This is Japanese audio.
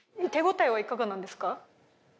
手応えはいかがなんですか？